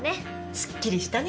すっきりしたね。